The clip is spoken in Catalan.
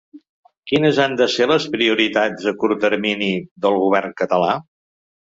Quines han de ser les prioritats a curt termini del govern català?